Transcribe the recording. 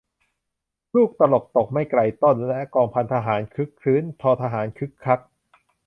ลูกตลกตกไม่ไกลต้น และกองพันทหารครึกครื้น ททหารคึกคัก